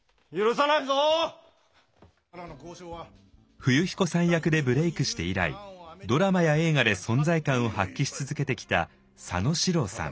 冬彦さん役でブレークして以来ドラマや映画で存在感を発揮し続けてきた佐野史郎さん。